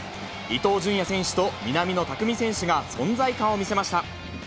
伊東純也選手と南野拓実選手が存在感を見せました。